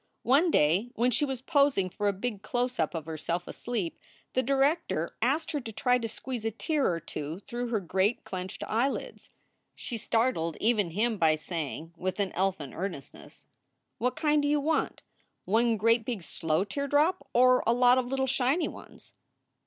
One day when she was posing for a big close up of herself asleep, the director asked her to try to squeeze a tear or two through her great clenched eyelids. She startled even him by saying, with an elfin earnestness: "What kind do you want? One great big slow teardrop, or a lot of little shiny ones?"